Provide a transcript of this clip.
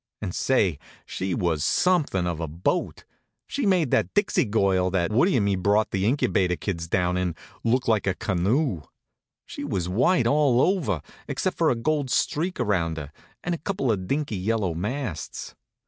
And say, she was somethin' of a boat. She made that Dixie Girl, that Woodie and me brought the Incubator kids down in, look like a canoe. She was white all over, except for a gold streak around her, and a couple of dinky yellow masts.